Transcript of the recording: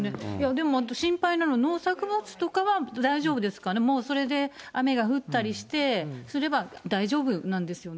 でも心配なの、農作物とかは大丈夫ですかね、もうそれで雨が降ったりすれば大丈夫なんですよね？